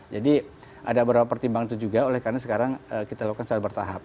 jadi ada beberapa pertimbangan itu juga oleh karena sekarang kita lakukan secara bertahap